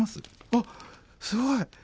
あっすごい！